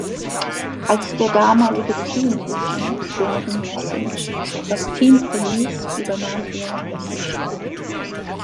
Als der damalige Teammanager Gordon Message das Team verließ, übernahm er dessen Stelle.